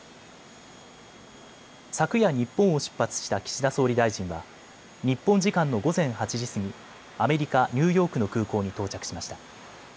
昨夜、日本を出発した岸田総理大臣は日本時間の午前８時過ぎ、アメリカ・ニューヨークの空港に到着しました。